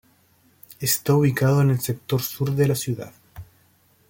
Está ubicado en el sector sur de la ciudad.